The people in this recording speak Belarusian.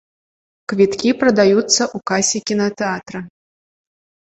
Квіткі прадаюцца ў касе кінатэатра.